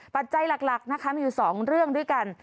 ปัจจัยหลักนะคะมีอยู่๒เรื่องด้วยกัน